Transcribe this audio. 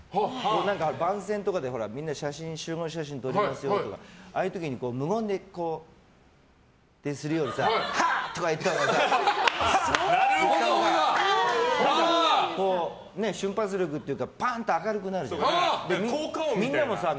番宣とかでみんなで集合写真撮りますよとかああいう時に無言でこうするよりハッ！とか言ったほうが瞬発力っていうかパーンと明るくなるじゃない。